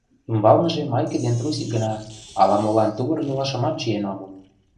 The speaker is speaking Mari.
Ӱмбалныже майке ден трусик гына, ала-молан тувыр-йолашымат чиен огыл.